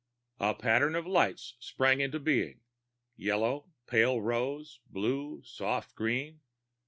A pattern of lights sprang into being yellow, pale rose, blue, soft green.